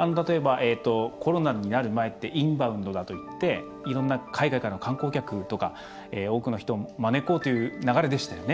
例えばコロナになる前ってインバウンドだといっていろんな海外からの観光客とか多くの人を招こうという流れでしたよね。